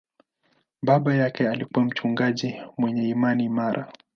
Baba yake alikuwa mchungaji mwenye imani imara.